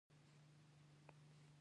نۀ خو د پښتنو سيمې ته را رسېدلے دے.